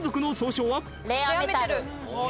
レアメタル。